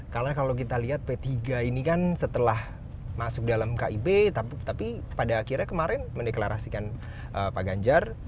karena kalau kita lihat p tiga ini kan setelah masuk dalam kib tapi pada akhirnya kemarin mendeklarasikan pak ganjar